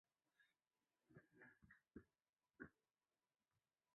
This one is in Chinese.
翻新后以白色及灰色为主调。